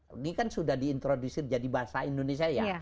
ini kan sudah diintrodusir jadi bahasa indonesia ya